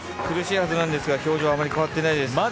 苦しいはずなんですが表情はあまり変わっていないです。